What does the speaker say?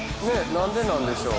何でなんでしょう？